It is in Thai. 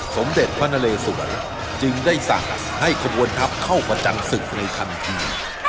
สมเด็จพนเลสวนจึงได้สั่งให้กระบวนทัพเข้าประจังศึกฐานที